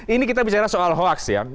ini kita bicara soal hoax ya